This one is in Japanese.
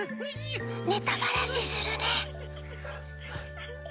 ネタばらしするね。